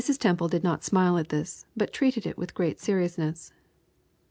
Temple did not smile at this, but treated it with great seriousness.